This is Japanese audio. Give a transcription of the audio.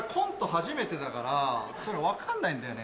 初めてだからそういうの分かんないんだよね。